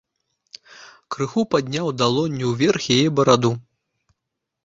Крыху падняў далонню ўверх яе бараду.